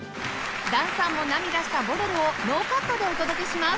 檀さんも涙した『ボレロ』をノーカットでお届けします